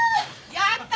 やった！